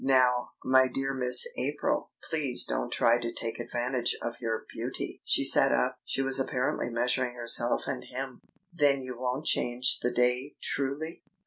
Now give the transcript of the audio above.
"Now, my dear Miss April, please don't try to take advantage of your beauty!" She sat up. She was apparently measuring herself and him. "Then you won't change the day, truly?"